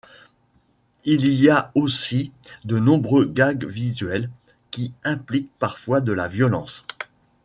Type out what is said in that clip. Il y a aussi de nombreux gags visuels, qui impliquent parfois de la violence.